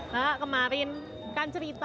pak kemarin kan cerita